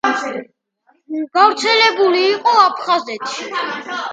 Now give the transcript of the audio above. გავრცელებული იყო აფხაზეთში.